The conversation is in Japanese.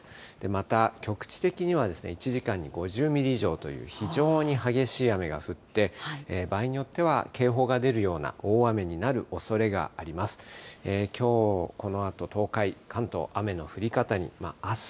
また局地的には、１時間に５０ミリ以上という非常に激しい雨が降って、場合によっては警報が出るような大雨になるおそれがあります。